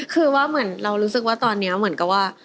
คือว่าเหมือนเรารู้สึกว่าตอนนี้เหมือนกับว่า